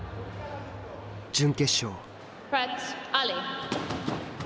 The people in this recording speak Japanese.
準決勝。